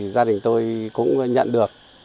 gia đình tôi cũng nhận được